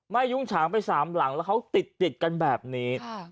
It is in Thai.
ยุ่งฉางไปสามหลังแล้วเขาติดติดกันแบบนี้